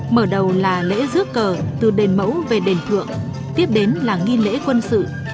mở đầu là lễ rước cờ từ đền mẫu về đền thượng tiếp đến là nghi lễ quân sự